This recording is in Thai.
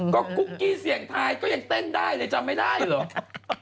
ก็กุ๊กกี้เสี่ยงทายก็ยังเต้นได้เลยจำไม่ได้เหรอ